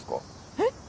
えっ？